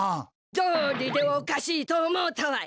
どうりでおかしいと思うたわい。